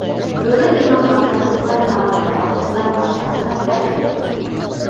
Бөгөн иманға ҡайтыусылар, намаҙға баҫыусылар башҡа сифатҡа эйә.